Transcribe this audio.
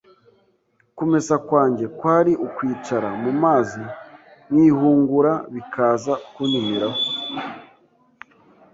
Kumesa kwanjye kwari ukwicara mu mazi nkihungura bikaza kunyumiraho.